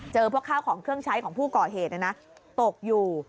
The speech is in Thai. พวกข้าวของเครื่องใช้ของผู้ก่อเหตุตกอยู่